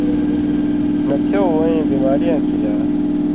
نتھېو وَیں بیماری یاں کریا